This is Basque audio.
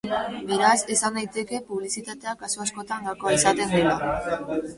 Beraz, esan daiteke publizitatea kasu askotan gakoa izaten dela.